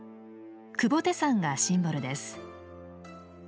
求菩提山がシンボルです。